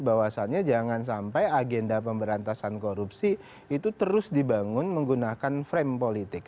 bahwasannya jangan sampai agenda pemberantasan korupsi itu terus dibangun menggunakan frame politik